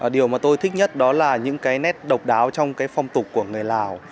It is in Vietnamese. điều mà tôi thích nhất đó là những cái nét độc đáo trong cái phong tục của người lào